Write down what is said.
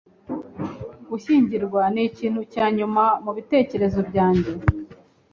Gushyingirwa nikintu cya nyuma mubitekerezo byanjye.